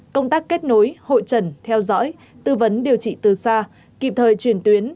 công tác kết nối hội trần theo dõi tư vấn điều trị từ xa kịp thời truyền tuyến